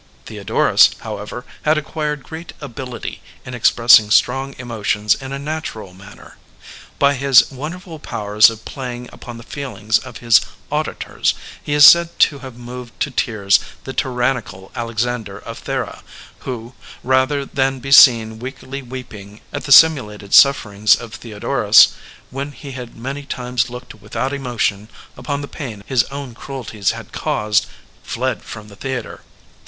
Theodorus, however, had acquired great ability in expressing strong emotions in a natural manner. By his wonderful powers of play ing upon the feelings of his auditors he is said to have moved to tears the tyrannical Alexander of Thera, who, rather than be seen weakly weeping at the simulated sufferings of Theodorus, when he had many times looked without emotion upon the pain his own cruelties had caused, fled from the theatre.